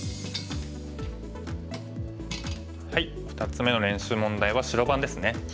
２つ目の練習問題は白番ですね。